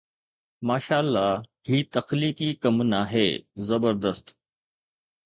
ماشاءَ الله، هي تخليقي ڪم ناهي. زبردست